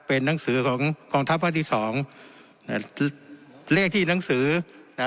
เป็นหนังสือของกองทัพภาคที่สองอ่าเลขที่หนังสือนะ